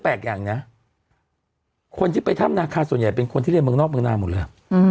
แปลกอย่างนะคนที่ไปถ้ำนาคาส่วนใหญ่เป็นคนที่เรียนเมืองนอกเมืองนาหมดเลย